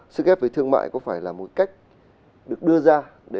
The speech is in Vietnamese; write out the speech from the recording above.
sức ép về thương mại có phải là một cách được đưa ra